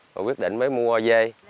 rồi quyết định mới mua dê